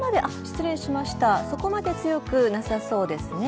そこまで強くなさそうですね。